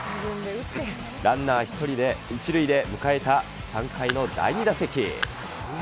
ランナー１人で、１塁で迎えた３回の第２打席。